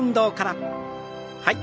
はい。